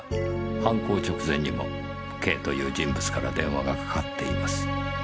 犯行直前にも「Ｋ」という人物から電話がかかっています。